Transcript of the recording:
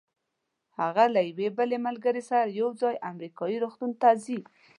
هغه له یوې بلې ملګرې سره یو ځای امریکایي روغتون ته ځي.